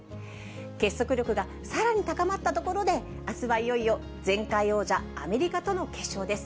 結束力がさらに高まったところで、あすはいよいよ前回王者、アメリカとの決勝です。